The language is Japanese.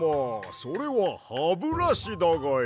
それはハブラシだがや！